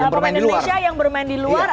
pemain indonesia yang bermain di luar